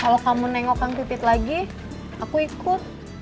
kalau kamu nengok kang pipit lagi aku ikut